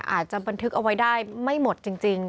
อาจจะบันทึกเอาไว้ได้ไม่หมดจริง